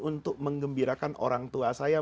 untuk mengembirakan orang tua saya